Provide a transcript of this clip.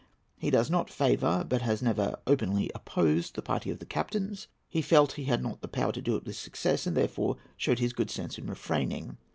He does not favour, but has never openly opposed, the party of the captains. He felt he had not the power to do it with success, and therefore showed his good sense in refraining.